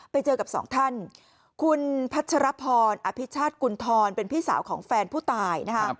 ไปเจอกับสองท่านคุณพัชรพรอภิชาติกุณฑรเป็นพี่สาวของแฟนผู้ตายนะคะ